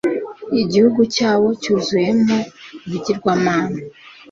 igihugu cyabo cyuzuyemo ibigirwamana